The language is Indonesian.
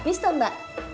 udah abis toh mbak